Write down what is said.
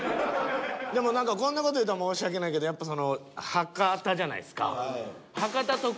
でも何かこんな事言うたら申し訳ないけどやっぱその博多じゃないですか。